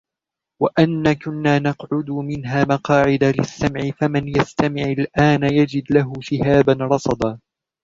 وَأَنَّا كُنَّا نَقْعُدُ مِنْهَا مَقَاعِدَ لِلسَّمْعِ فَمَنْ يَسْتَمِعِ الْآنَ يَجِدْ لَهُ شِهَابًا رَصَدًا